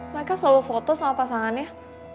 mereka selalu foto sama pasangannya